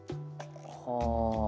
はあ。